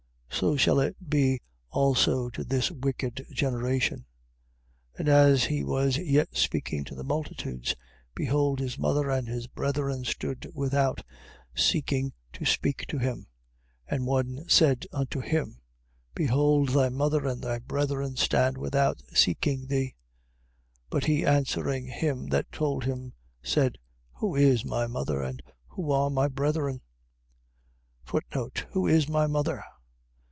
So shall it be also to this wicked generation. 12:46. As he was yet speaking to the multitudes, behold his mother and his brethren stood without, seeking to speak to him. 12:47. And one said unto him: Behold thy mother and thy brethren stand without, seeking thee. 12:48. But he answering him that told him, said: Who is my mother, and who are my brethren? Who is my mother?.